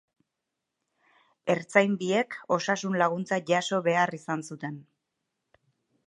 Ertzain biek osasun-laguntza jaso behar izan zuten.